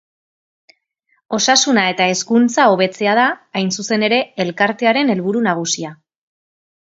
Osasuna eta hezkuntza hobetzea da, hain zuzen ere, elkartearen helburu nagusia.